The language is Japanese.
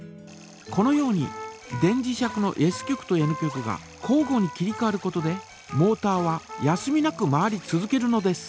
このように電磁石のＳ極とＮ極が交ごに切りかわることでモータは休みなく回り続けるのです。